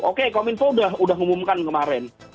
oke kominfo udah ngumumkan kemarin